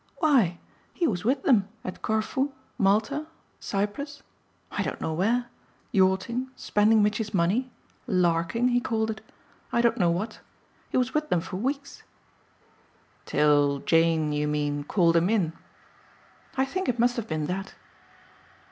"Why he was with them at Corfu, Malta, Cyprus I don't know where; yachting, spending Mitchy's money, 'larking,' he called it I don't know what. He was with them for weeks." "Till Jane, you mean, called him in?" "I think it must have been that."